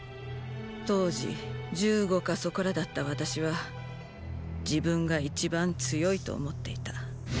当時十五かそこらだった私は自分が一番強いと思っていた。